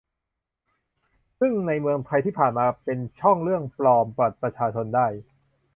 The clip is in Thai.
ซึ่งในเมืองไทยที่ผ่านมาก็เป็นช่องเรื่องปลอมบัตรประชาชนได้